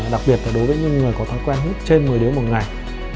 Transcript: đặc biệt là đối với những người có thói quen hút trên một mươi đến một ngày